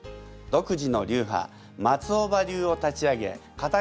独自の流派松尾葉流を立ち上げかた